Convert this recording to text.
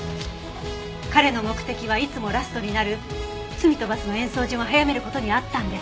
彼の目的はいつもラストになる『罪と罰』の演奏順を早める事にあったんです。